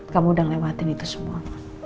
kamu udah lewatin itu semua